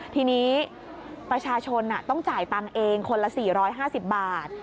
ทีนี้ประชาชนต้องจ่ายตังค์เองคนละ๔๕๐บาท